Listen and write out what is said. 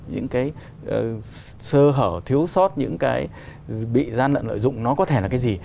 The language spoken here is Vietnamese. những cái sơ hở thiếu sót những cái bị gian lận lợi dụng nó có thể là cái gì